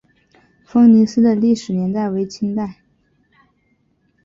丰宁寺的历史年代为清代。